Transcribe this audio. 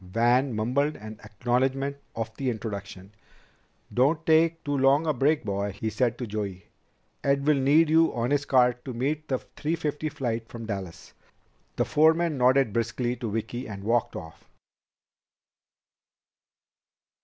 Van mumbled an acknowledgment of the introduction. "Don't take too long a break, boy," he said to Joey. "Ed will need you on his cart to meet the three fifty flight from Dallas." The foreman nodded briskly to Vicki and walked off.